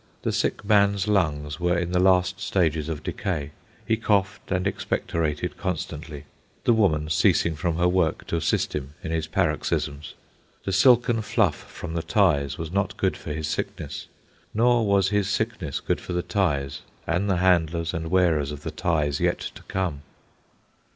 The sick man's lungs were in the last stages of decay. He coughed and expectorated constantly, the woman ceasing from her work to assist him in his paroxysms. The silken fluff from the ties was not good for his sickness; nor was his sickness good for the ties, and the handlers and wearers of the ties yet to come.